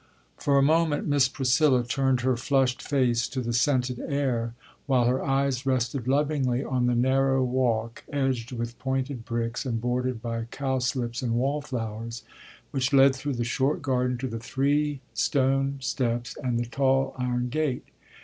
For a moment Miss Priscilla turned her flushed face to the scented air, while her eyes rested lovingly on the narrow walk, edged with pointed bricks and bordered by cowslips and wallflowers, which led through the short garden to the three stone steps and the tall iron gate.